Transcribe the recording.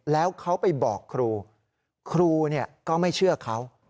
แล้วเขาไปบอกครูครูก็ไม่เชื่อเขา